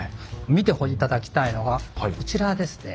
見て頂きたいのがこちらですね。